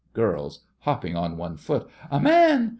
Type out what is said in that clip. GIRLS: (Hopping on one foot) A man!